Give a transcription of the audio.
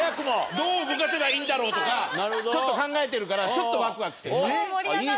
どう動かせばいいんだろうとかちょっと考えてるからちょっとワクワクしてます。